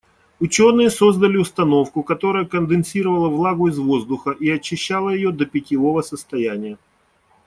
Учёные создали установку, которая конденсировала влагу из воздуха и очищала её до питьевого состояния.